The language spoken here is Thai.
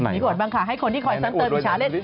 มีบทบ้างค่ะให้คนที่คอยซ้ำเติมอิจฉาเล่น